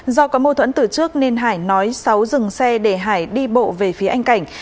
do có mâu thuẫn từ trước nên hải nói sáu dừng xe để hải đi bộ về phía anh cảnh